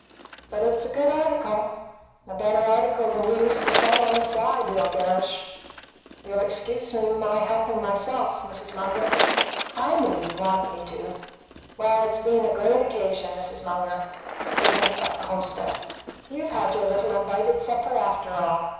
But it's a good article; a better article than you used to sell on the sly, Bill Gerrish. You'll excuse my helping myself, Mrs. Munger; I knew you'd want me to. Well, it's been a great occasion, Mrs. Munger." He winked at the hostess. "You've had your little invited supper, after all.